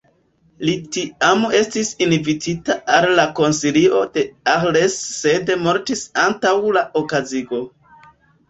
Li tiam estis invitita al la Konsilio de Arles sed mortis antaŭ la okazigo.